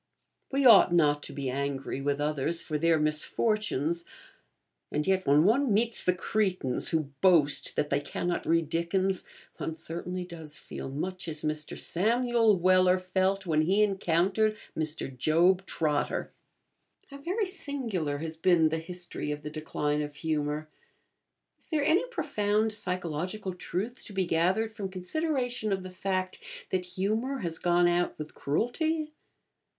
We ought not to be angry with others for their misfortunes; and yet when one meets the crétins who boast that they cannot read Dickens, one certainly does feel much as Mr. Samuel Weller felt when he encountered Mr. Job Trotter. How very singular has been the history of the decline of humour. Is there any profound psychological truth to be gathered from consideration of the fact that humour has gone out with cruelty?